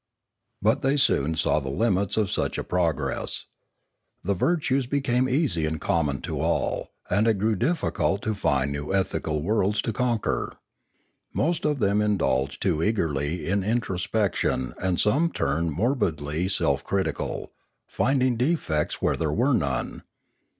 But they soon saw the limits of such a progress. The virtues became easy and common to all and it grew difficult to find new ethical worlds to conquer. Most of them indulged too eagerly in introspection and some turned morbidly self critical, finding defects where there were none.